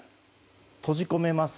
閉じ込めます